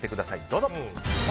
どうぞ。